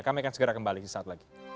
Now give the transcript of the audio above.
kami akan segera kembali di saat lagi